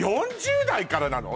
４０代からなの？